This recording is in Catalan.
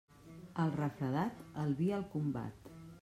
El refredat, el vi el combat.